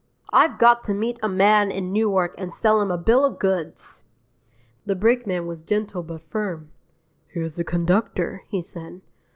"I've got to meet a man in Newark and sell him a bill of goods." The brakeman was gentle but firm. "Here's the conductor," he said.